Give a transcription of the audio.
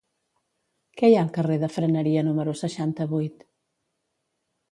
Què hi ha al carrer de Freneria número seixanta-vuit?